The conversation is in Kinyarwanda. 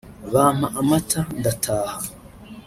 bampa amata ndataha